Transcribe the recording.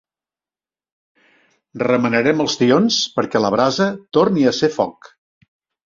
Remenarem els tions perquè la brasa torni a ser foc.